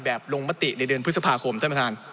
ลงมติในเดือนพฤษภาคมท่านประธาน